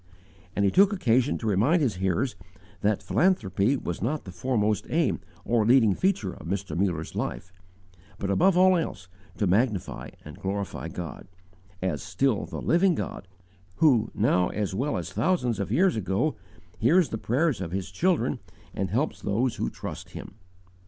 _ And he took occasion to remind his hearers that philanthropy was not the foremost aim or leading feature of Mr. Muller's life, but above all else to magnify and glorify God, _"as still the living God who, now as well as thousands of years ago, hears the prayers of His children and helps those who trust Him."